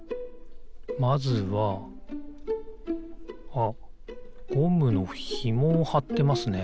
あっゴムのひもをはってますね。